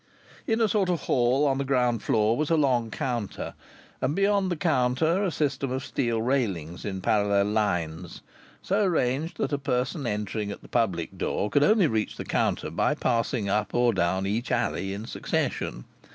In a sort of hall on the ground floor was a long counter, and beyond the counter a system of steel railings in parallel lines, so arranged that a person entering at the public door could only reach the counter by passing up or down each alley in succession.